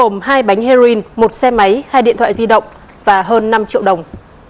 một xe máy hai điện thoại di động và hơn năm triệu đồng